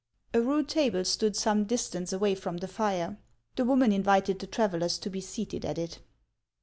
A rude table stood some distance away from the fire. The woman invited the travellers to be seated at it.